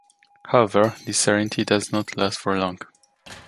However, this serenity does not last for long.